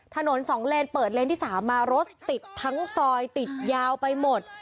ถนน๒เลนเปิดเลนที่๓มารถติดทั้งซอยติดยาวไปหมด